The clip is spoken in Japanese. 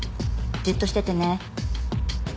じっとしててね。